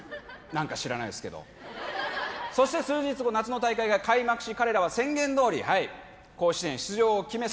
何か知らないですけどそして数日後夏の大会が開幕し彼らは宣言どおりはい甲子園出場を決め